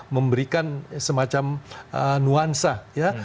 memberikan semacam nuansa ya